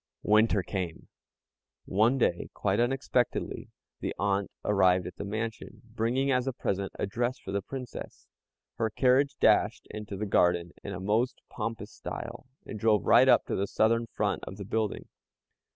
Winter came! One day, quite unexpectedly, the aunt arrived at the mansion, bringing as a present a dress for the Princess. Her carriage dashed into the garden in a most pompous style, and drove right up to the southern front of the building.